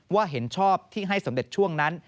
เห็นชอบที่ให้สมเด็จช่วงนั้น